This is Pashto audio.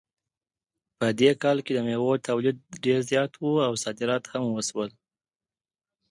په دې کال کې د میوو تولید ډېر زیات و او صادرات هم وشول